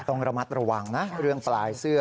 ต้องระมัดระวังนะเรื่องปลายเสื้อ